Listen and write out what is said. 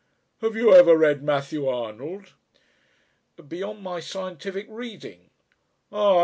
Have you ever read Matthew Arnold?" "Beyond my scientific reading " "Ah!